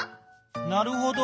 なるほど。